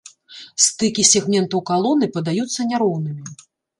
Стыкі сегментаў калоны падаюцца няроўнымі.